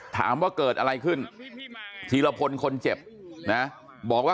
ถามว่าเกิดอะไรขึ้นธีรพลคนเจ็บนะบอกว่า